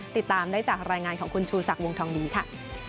ติดตามได้จากรายงานของคุณชูศักดิ์วงทองดีค่ะ